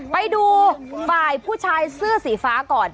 ไปดูฝ่ายผู้ชายเสื้อสีฟ้าก่อน